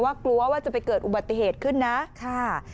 กลัวว่าจะไปเกิดอุบัติเหตุขึ้นนะค่ะ